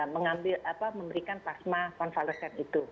mengambil apa memberikan plasma konvalesen itu